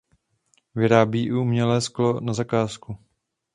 Vyrábí i umělecké sklo na zakázku.